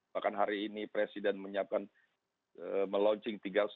bahkan hari ini presiden menyiapkan melaunching tiga ratus